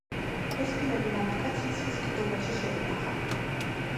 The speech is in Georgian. ეს ფილები მან აკაციის ხის კიდობანში შეინახა.